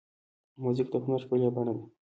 موزیک د هنر ښکلې بڼه ده.